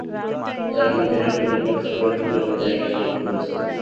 তারা নিজেরাই টেলিগ্রাফ করে হোটেলে জায়গা ঠিক করেছে।